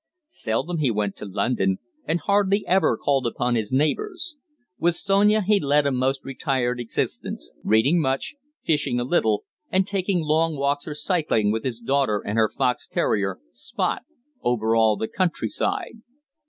Seldom he went to London, and hardly ever called upon his neighbours. With Sonia he led a most retired existence, reading much, fishing a little, and taking long walks or cycling with his daughter and her fox terrier, "Spot," over all the country side.